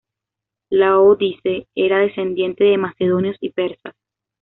Laodice era descendiente de macedonios y persas.